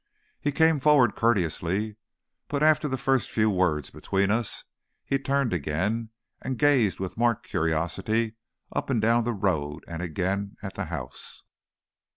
He came forward courteously. But after the first few words between us he turned again and gazed with marked curiosity up and down the road and again at the house.